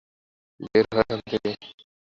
বের হ এখান থেকে।